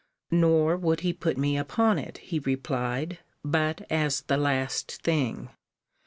Nor would he put me upon it, he replied, but as the last thing.